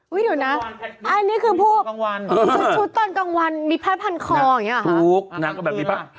อุ๊ยเดี๋ยวนะอันนี้คือพวกชุดตอนกลางวันมีพรรดิพัดพันธุ์คออย่างนี้หรอฮะ